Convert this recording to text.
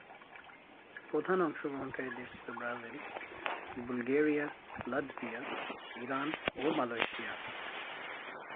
প্রধান অংশগ্রহণকারী দেশ ছিল ব্রাজিল, বুলগেরিয়া, লাটভিয়া, ইরান ও মালয়েশিয়া।